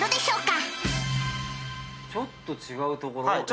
ちょっと違うところが。